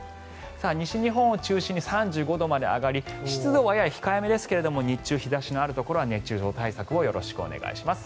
西日本を中心に３５度まで上がり湿度は控えめですが日中、日差しのあるところは熱中症対策をよろしくお願いします。